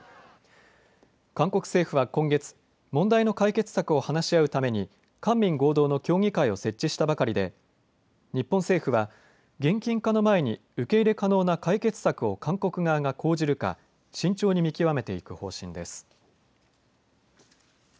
韓国政府は今月、問題の解決策を話し合うために官民合同の協議会を設置したばかりで日本政府は現金化の前に受け入れ可能な解決策を韓国側が講じるか慎重に見極めていく方針です。